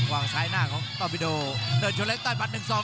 วางซ้ายหน้าของตอบิโดเดินชนเล็กใต้บันหนึ่งสอง